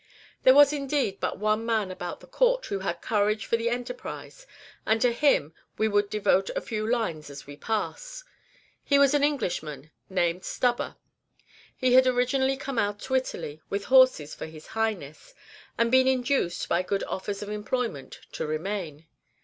There was, indeed, but one man about the court who had courage for the enterprise; and to him we would devote a few lines as we pass. He was an Englishman, named Stubber. He had originally come out to Italy with horses for his Highness, and been induced, by good offers of employment, to remain.